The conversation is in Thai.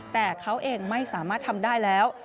แต่เขาเองไม่สามารถทำได้แล้ว